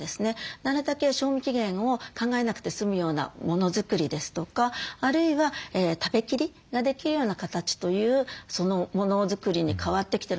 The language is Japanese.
なるだけ賞味期限を考えなくて済むようなものづくりですとかあるいは食べきりができるような形というものづくりに変わってきてる。